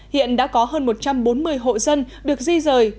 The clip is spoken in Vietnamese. hiện đã có hơn một trăm bốn mươi hộ dân được di rời